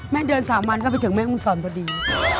แม่เดินสามวันก็ไปถึงแม่อุ่นสอนพอดี